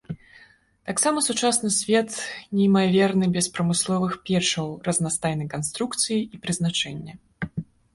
Таксама сучасны свет неймаверны без прамысловых печаў разнастайнай канструкцыі і прызначэння.